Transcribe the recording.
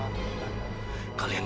saya akan mencari